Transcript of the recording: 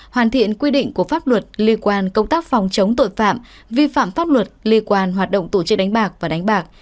hoàn thiện quy định của pháp luật liên quan công tác phòng chống tội phạm vi phạm pháp luật liên quan hoạt động tổ chức đánh bạc và đánh bạc